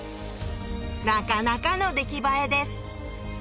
なかなかの出来栄えです